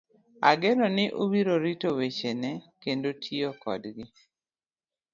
Ageno ni ubiro rito wechena kendo tiyo kodgi.